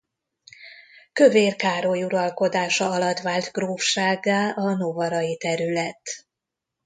Kövér Károly uralkodása alatt vált grófsággá a novarai terület.